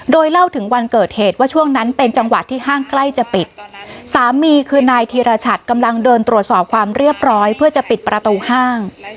โดยเล่าถึงวันเกิดเหตุว่าช่วงนั้นเป็นจังหวะที่ห้างใกล้จะปิดสามีคือนายธีรชัดกำลังเดินตรวจสอบความเรียบร้อยเพื่อจะปิดประตูห้าง